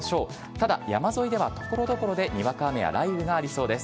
ただ山沿いでは、ところどころでにわか雨や雷雨がありそうです。